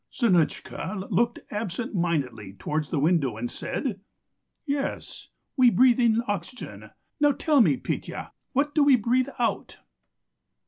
Zinotchka looked absent mindedly towards the window and said: "'Yes. We breathe in oxygen; now tell me, Petya, what do we breathe out?'